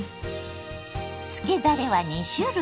つけだれは２種類。